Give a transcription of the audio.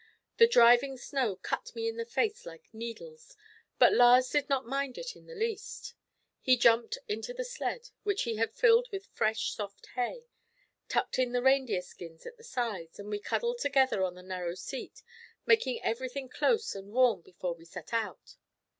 The driving snow cut me in the face like needles, but Lars did not mind it in the least. He jumped into the sled, which he had filled with fresh, soft hay, tucked in the reindeer skins at the sides, and we cuddled together on the narrow seat, making everything close and warm before we set out.